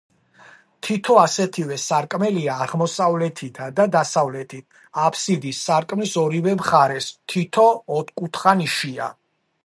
თითო ასეთივე სარკმელია აღმოსავლეთითა და დასავლეთით, აფსიდის სარკმლის ორივე მხარეს თითო ოთკუთხა ნიშია.